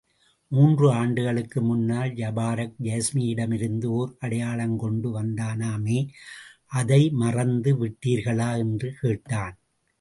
மூன்று ஆண்டுகளுக்கு முன்னால், ஜபாரக் யாஸ்மியிடமிருந்து ஓர் அடையாளம் கொண்டு வந்தானாமே அதை மறந்து விட்டீர்களா? என்று கேட்டான்.